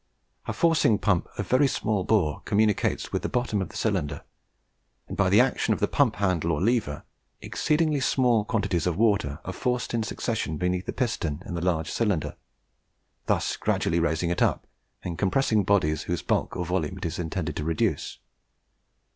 A forcing pump of very small bore communicates with the bottom of the cylinder, and by the action of the pump handle or lever, exceeding small quantities of water are forced in succession beneath the piston in the large cylinder, thus gradually raising it up, and compressing bodies whose bulk or volume it is intended to reduce.